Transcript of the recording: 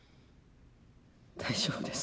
大丈夫です。